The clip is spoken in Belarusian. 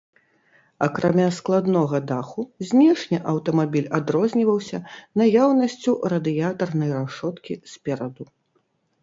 Акрамя складнога даху, знешне аўтамабіль адрозніваўся наяўнасцю радыятарнай рашоткі спераду.